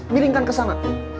miringkan ke sana